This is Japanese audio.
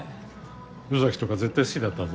宇崎とか絶対好きだったぞ。